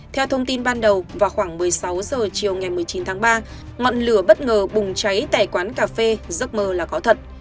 theo thông tin ban đầu vào khoảng một mươi sáu h chiều ngày một mươi chín tháng ba ngọn lửa bất ngờ bùng cháy tại quán cà phê giấc mơ là có thật